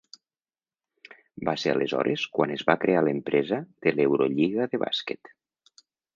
Va ser aleshores quan es va crear l'empresa de l'Eurolliga de bàsquet.